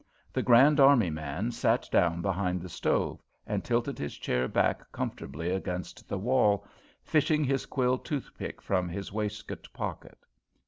The Grand Army man sat down behind the stove and tilted his chair back comfortably against the wall, fishing his quill toothpick from his waistcoat pocket.